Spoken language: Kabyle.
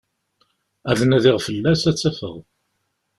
Ad nadiɣ fell-as, ad tt-afeɣ.